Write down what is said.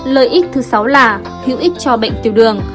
lợi ích thứ sáu là hữu ích cho bệnh tiểu đường